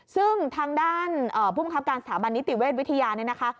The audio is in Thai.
ซึ่งทางด้านผู้บังคับการสถาบันนิติเวชวิทยาเนี่ยนะคะ